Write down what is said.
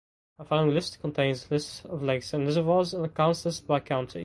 The following list contains lists of lakes and reservoirs in Arkansas by county.